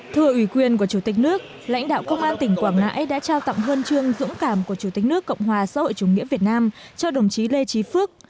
thưa ủy quyền của chủ tịch nước lãnh đạo công an tỉnh quảng ngãi đã trao tặng huân chương dũng cảm của chủ tịch nước cộng hòa xã hội chủ nghĩa việt nam cho đồng chí lê trí phước